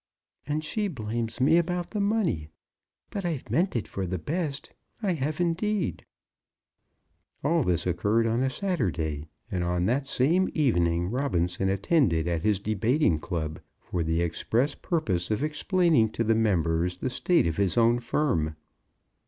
"And she blames me about the money; but I've meant it for the best; I have indeed." All this occurred on a Saturday, and on that same evening Robinson attended at his debating club, for the express purpose of explaining to the members the state of his own firm.